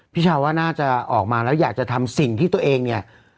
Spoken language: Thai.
ชาวว่าน่าจะออกมาแล้วอยากจะทำสิ่งที่ตัวเองเนี่ย